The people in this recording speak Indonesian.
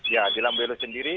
ya di lambele sendiri